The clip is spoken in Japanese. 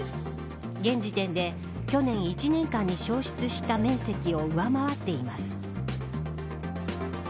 現時点で去年１年間に焼失した面積を上回っています。